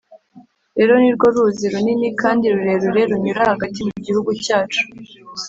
rero ni rwo ruzi runini kandi rurerure runyura hagati mu Gihugu cyacu.